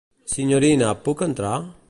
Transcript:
Signorina, puc entrar?